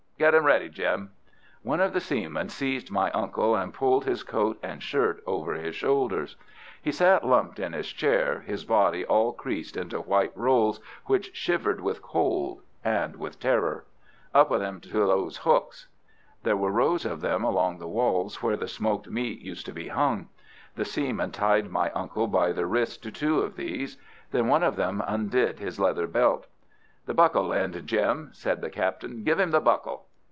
Get him ready, Jim!" One of the seamen seized my uncle, and pulled his coat and shirt over his shoulders. He sat lumped in his chair, his body all creased into white rolls which shivered with cold and with terror. "Up with him to those hooks." There were rows of them along the walls where the smoked meat used to be hung. The seamen tied my uncle by the wrists to two of these. Then one of them undid his leather belt. "The buckle end, Jim," said the captain. "Give him the buckle."